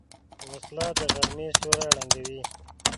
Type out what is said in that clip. وسله د غرمې سیوری ړنګوي